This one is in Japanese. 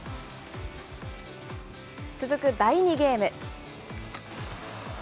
続く第２ゲーム。